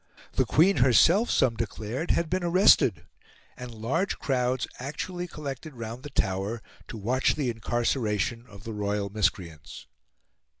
The Queen herself, some declared, had been arrested, and large crowds actually collected round the Tower to watch the incarceration of the royal miscreants.